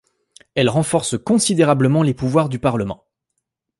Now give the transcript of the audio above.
Elle renforce considérablement les pouvoirs du Parlement.